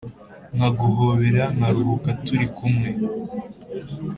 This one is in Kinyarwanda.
Nkaguhobera nkaruhuka turi kumwe